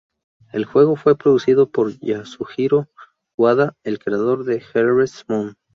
El juego fue producido por Yasuhiro Wada, el creador de "Harvest Moon".